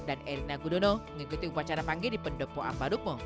dan irina gudono mengikuti upacara panggil di pendopo ampadukmu